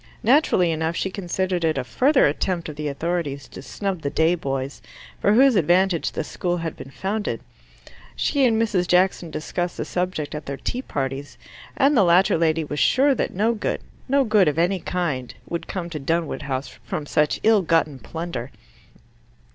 Naturally enough, she considered it a further attempt of the authorities to snub the day boys, for whose advantage the school had been founded. She and Mrs. Jackson discussed the subject at their tea parties, and the latter lady was sure that no good, no good of any kind, would come to Dunwood House from such ill gotten plunder.